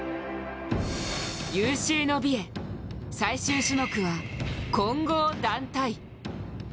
有終の美へ最終種目は混合団体。